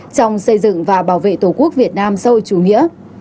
trong xây dựng và bảo vệ tổ quốc việt nam sâu chủ nghĩa